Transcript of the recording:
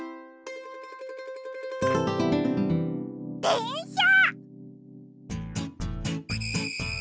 でんしゃ。